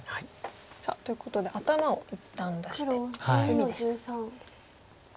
さあということで頭を一旦出してコスミです。